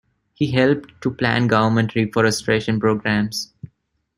He helped to plan government reforestation programmes.